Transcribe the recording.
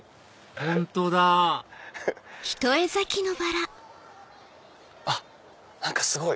本当だあっ何かすごい！